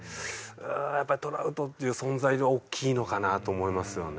やっぱりトラウトっていう存在は大きいのかなと思いますよね。